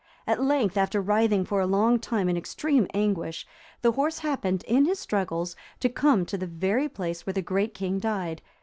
At length, after writhing for a long time in extreme anguish, the horse happened in his struggles to come to the very place where the great king died.